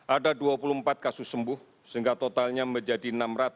ada dua puluh empat kasus sembuh sehingga totalnya menjadi enam ratus tiga puluh